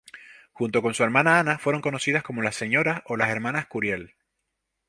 Junto con su hermana Anna fueron conocidas como las señoras o las hermanas Curiel.